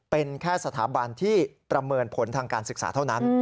เป็นแค่สถาบันที่ประเมินผลทางการศึกษาเท่านั้น